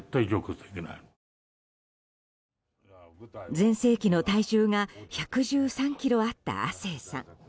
全盛期の体重が１１３ｋｇあった亜星さん。